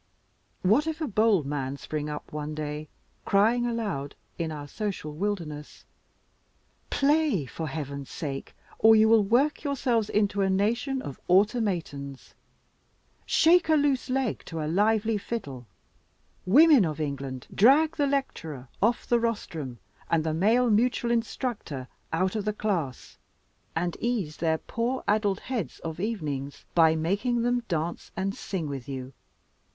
What if a bold man spring up one day, crying aloud in our social wilderness, "Play, for Heaven's sake, or you will work yourselves into a nation of automatons! Shake a loose leg to a lively fiddle! Women of England! drag the lecturer off the rostrum, and the male mutual instructor out of the class, and ease their poor addled heads of evenings by making them dance and sing with you.